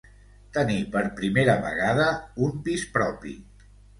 Tenir per primera vegada un pis propi.